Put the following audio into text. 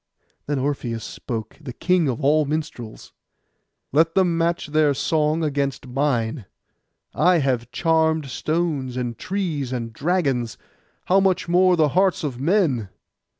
Then Orpheus spoke, the king of all minstrels, 'Let them match their song against mine. I have charmed stones, and trees, and dragons, how much more the hearts of men!